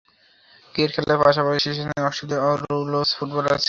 Cricket খেলার পাশাপাশি শীর্ষস্থানীয় অস্ট্রেলীয় রুলস ফুটবলার ছিলেন।